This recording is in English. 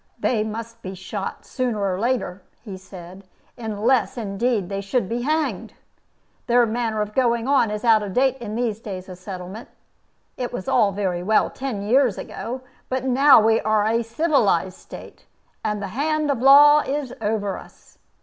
"They must be shot, sooner or later," he said, "unless, indeed, they should be hanged. Their manner of going on is out of date in these days of settlement. It was all very well ten years ago. But now we are a civilized State, and the hand of law is over us.